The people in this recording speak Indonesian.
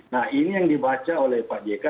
nah ini yang dibaca oleh pak jk